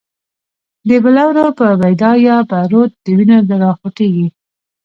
د بلورو په بید یا به، رود د وینو را خوټیږی